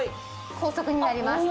高速になります。